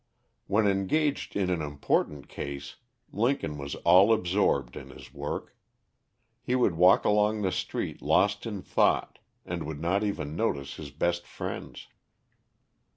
When engaged in an important case, Lincoln was all absorbed in his work. He would walk along the street lost in thought; and would not even notice his best friends.